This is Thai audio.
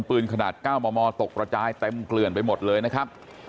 ปืนขนาด๙มมตกระจายเต็มเกลื่อนไปหมดเลยนะครับ